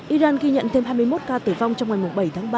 iran ghi nhận thêm hai mươi một ca tử vong trong ngày bảy tháng ba